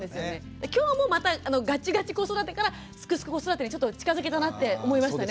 今日もまたガチガチ子育てからすくすく子育てにちょっと近づけたなって思いましたね。